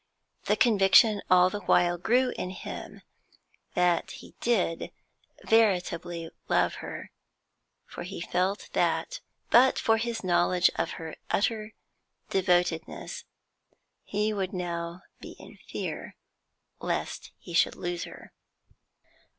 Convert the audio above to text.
The conviction all the while grew in him that he did veritably love her, for he felt that, but for his knowledge of her utter devotedness, he would now be in fear lest he should lose her.